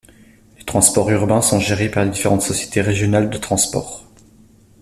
Les transports urbains sont gérés par les différentes sociétés régionales de transports.